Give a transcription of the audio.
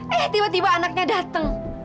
eh tiba tiba anaknya datang